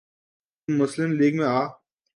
تو مسلم لیگ میں آ۔